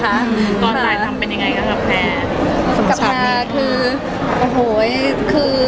กับแพร่คือ